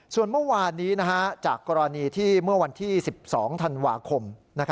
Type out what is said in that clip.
ส่วนเมื่อวานนี้จากกรณีที่เมื่อวันที่๑๒ธันวาคม